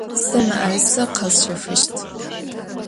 Se mı'erıse khesşefışt.